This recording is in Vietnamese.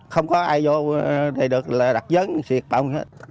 không có ai vô đây được là đặt dấn diệt bọng hết